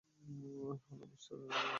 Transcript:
Hello, mister right.